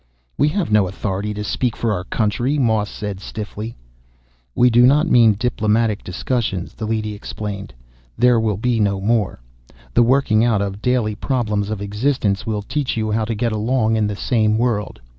"We have no authority to speak for our country," Moss said stiffly. "We do not mean diplomatic discussions," the leady explained. "There will be no more. The working out of daily problems of existence will teach you how to get along in the same world.